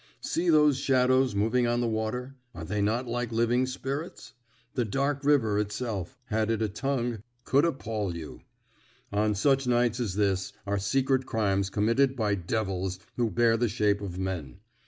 See those shadows moving on the water are they not like living spirits? The dark river itself, had it a tongue, could appal you. On such nights as this are secret crimes committed by devils who bear the shape of men.